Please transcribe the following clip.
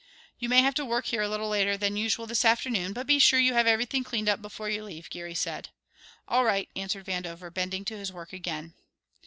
"You may have to work here a little later than usual this afternoon, but be sure you have everything cleaned up before you leave," Geary said. "All right," answered Vandover, bending to his work again.